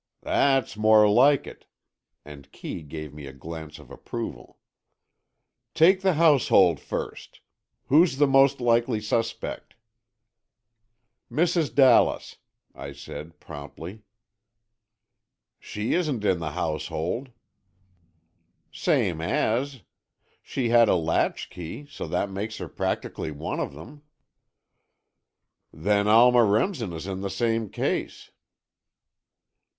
"That's more like it," and Kee gave me a glance of approval. "Take the household first. Who's the most likely suspect?" "Mrs. Dallas," I said, promptly. "She isn't in the household." "Same as. She has a latchkey, so that makes her practically one of them." "Then Alma Remsen is in the same case."